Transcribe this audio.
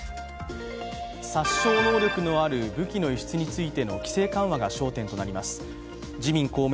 殺傷能力のある武器の輸出についての規制緩和が焦点となります。